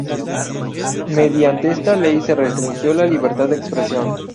Mediante esta ley se restringió la libertad de expresión.